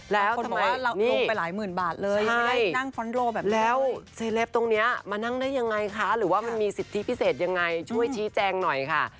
แล้วทำไมนี่ใช่แล้วเซเลปตรงนี้มานั่งได้ยังไงคะหรือว่ามีสิทธิพิเศษยังไงช่วยชี้แจ้งหน่อยค่ะ